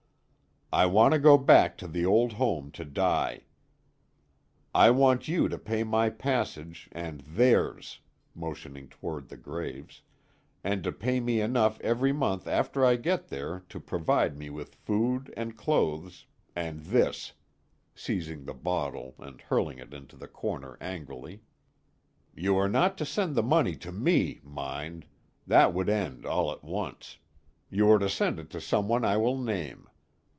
"I want to go back to the old home to die. I want you to pay my passage and theirs" motioning toward the graves "and to pay me enough every month after I get there to provide me with food and clothes and this," seizing the bottle and hurling it into the corner angrily. "You are not to send the money to me, mind. That would end all at once. You are to send it to some one I will name.